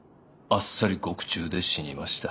あっさり獄中で死にました。